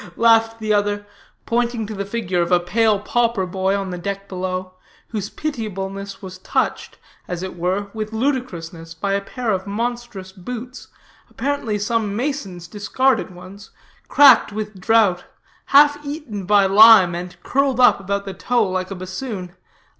laughed the other, pointing to the figure of a pale pauper boy on the deck below, whose pitiableness was touched, as it were, with ludicrousness by a pair of monstrous boots, apparently some mason's discarded ones, cracked with drouth, half eaten by lime, and curled up about the toe like a bassoon.